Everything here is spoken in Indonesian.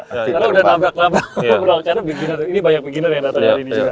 karena beginner ini banyak beginner yang datang dari ini juga